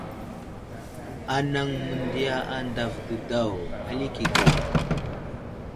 Anaŋ məndiya andav didaw alikege.